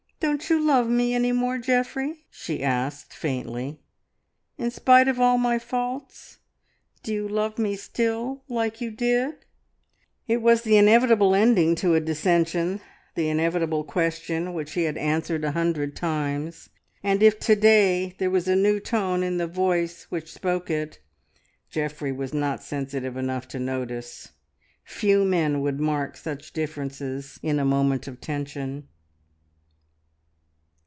"Don't you love me any more, Geoffrey?" she asked faintly. "In spite of all my faults, do you love me still like you did?" It was the inevitable ending to a dissension, the inevitable question which he had answered a hundred times, and if to day there was a new tone in the voice which spoke it, Geoffrey was not sensitive enough to notice. Few men would mark such differences in a moment of tension.